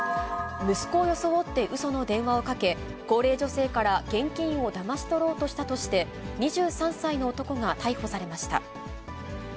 息子を装ってうその電話をかけ、高齢女性から現金をだまし取ろうとしたとして、２３歳の男が逮捕されました。